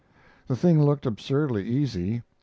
The thing looked absurdly easy.